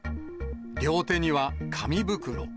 両手には紙袋。